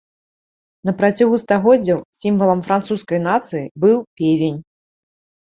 На працягу стагоддзяў сімвалам французскай нацыі быў певень.